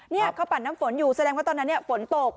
นี่เขาปั่นน้ำฝนอยู่แสดงว่าตอนนั้นฝนตก